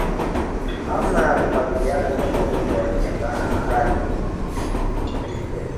Namna ya kukabiliana na ugonjwa wa ndigana kali ni kudhibiti kupe